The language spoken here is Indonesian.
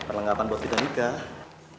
perlengkapan buat kita nikah